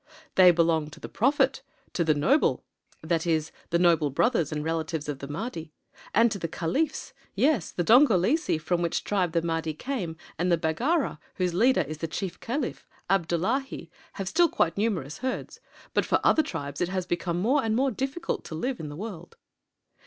"They belong to the prophet, to the 'Noble,'* [* The Noble brothers and relatives of the Mahdi.] and to the caliphs. Yes The Dongolese, from which tribe the Mahdi came and the Baggara, whose leader is the chief caliph, Abdullahi, have still quite numerous herds, but for other tribes it has become more and more difficult to live in the world."